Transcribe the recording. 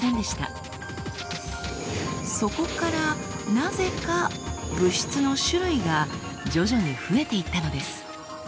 そこからなぜか物質の種類が徐々に増えていったのです。